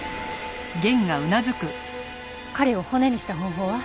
彼を骨にした方法は？